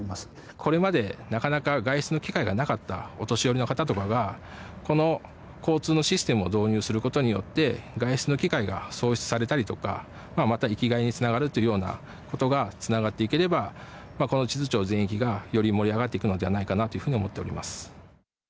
これまでなかなか外出の機会がなかったお年寄りの方とかがこの交通のシステムを導入することによって外出の機会が創出されたりとかまた生きがいにつながるというようなことがつながっていけばこの智頭町全域がより盛り上がっていくのではないかなというふうに思っています。